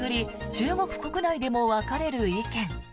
中国国内でも分かれる意見。